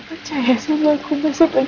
kau percaya sama aku masa tadi